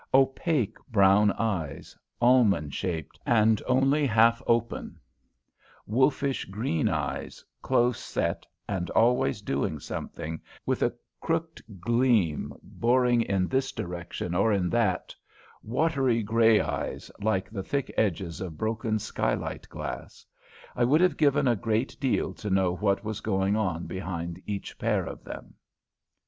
Opaque brown eyes, almond shaped and only half open; wolfish green eyes, close set and always doing something, with a crooked gleam boring in this direction or in that; watery grey eyes, like the thick edges of broken skylight glass: I would have given a great deal to know what was going on behind each pair of them.